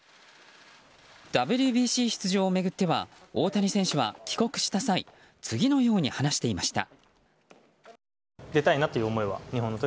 ＷＢＣ出場を巡っては大谷選手は、帰国した際次のように話していました。